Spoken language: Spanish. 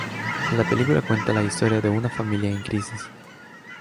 La película cuenta la historia de una familia en crisis.